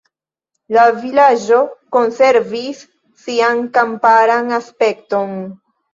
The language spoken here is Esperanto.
La vilaĝo konservis sian kamparan aspekton.